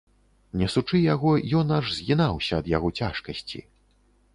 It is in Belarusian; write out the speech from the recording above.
Несучы яго, ён аж згінаўся ад яго цяжкасці.